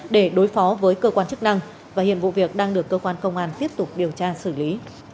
để đối phó với cơ quan chức năng và hiện vụ việc đang được cơ quan công an tiếp tục điều tra xử lý